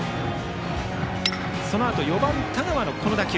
そのあと４番、田川の打球。